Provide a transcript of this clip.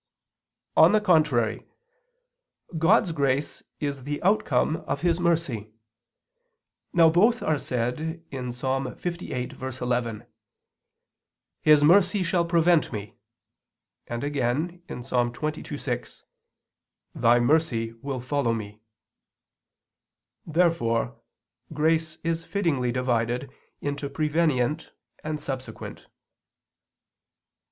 On the contrary, God's grace is the outcome of His mercy. Now both are said in Ps. 58:11: "His mercy shall prevent me," and again, Ps. 22:6: "Thy mercy will follow me." Therefore grace is fittingly divided into prevenient and subsequent.